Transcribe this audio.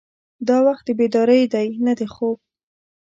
دا وخت د بیدارۍ دی نه د خوب.